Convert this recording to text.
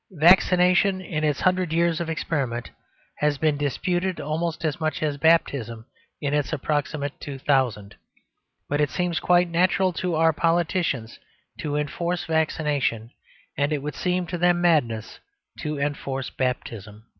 Vaccination, in its hundred years of experiment, has been disputed almost as much as baptism in its approximate two thousand. But it seems quite natural to our politicians to enforce vaccination; and it would seem to them madness to enforce baptism.